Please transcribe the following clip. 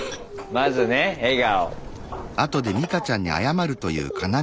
まずね笑顔。